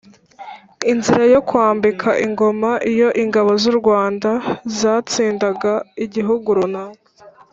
inzira yo kwambika ingoma: iyo ingabo z’u rwanda zatsindaga igihugu runaka,